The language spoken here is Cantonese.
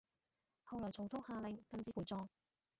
後來曹操下令禁止陪葬